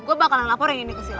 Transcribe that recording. gue bakalan laporin ini ke sini